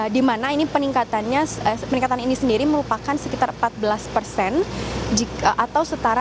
di mana peningkatan ini sendiri merupakan sekitar empat belas